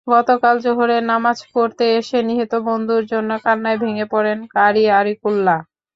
গতকাল জোহরের নামাজ পড়তে এসে নিহত বন্ধুর জন্য কান্নায় ভেঙে পড়েন কারি আরিকুল্লাহ।